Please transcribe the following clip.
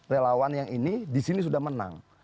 relawan yang ini di sini sudah menang